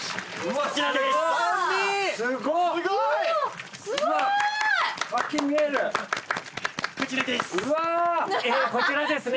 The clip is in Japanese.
こちらですね